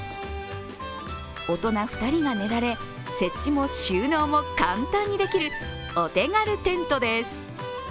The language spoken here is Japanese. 大人２人が寝られ、設置も収納も簡単にできるお手軽テントです。